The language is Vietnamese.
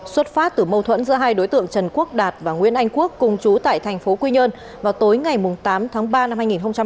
xuất phát từ mâu thuẫn giữa hai đối tượng trần quốc đạt và nguyễn anh quốc cùng chú tại thành phố quy nhơn vào tối ngày tám tháng ba năm hai nghìn hai mươi